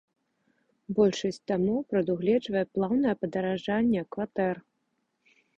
Большасць дамоў прадугледжвае плаўнае падаражанне кватэр.